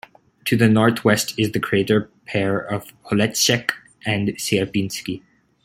To the northwest is the crater pair of Holetschek and Sierpinski.